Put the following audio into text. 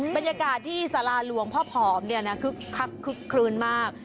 บรรยากาศที่สาราหลวงพ่อผอมคึกคักคึกคลืนมาก